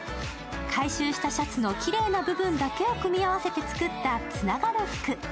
回収したシャツのきれいな部分だけをつなげて作ったつながる服。